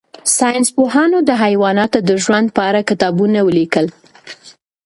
ساینس پوهانو د حیواناتو د ژوند په اړه کتابونه ولیکل.